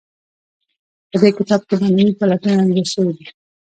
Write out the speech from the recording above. په دې کتاب کې معنوي پلټنې انځور شوي دي.